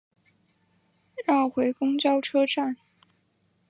绕回公车站